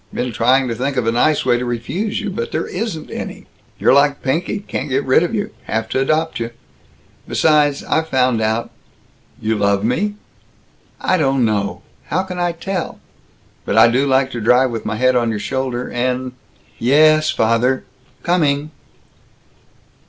Been trying to think of a nice way to refuse you. But there isn't any. You're like Pinky can't get rid of you have t' adopt you. Besides, I've found out " "You love me?" "I don't know! How can I tell? But I do like to drive with my head on your shoulder and Yesssss, father, coming!"